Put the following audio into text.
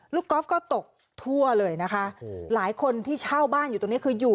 กอล์ฟก็ตกทั่วเลยนะคะหลายคนที่เช่าบ้านอยู่ตรงนี้คืออยู่